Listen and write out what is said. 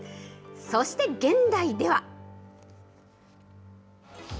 そして現代では。